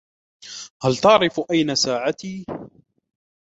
هل تعرف أين ساعتي ؟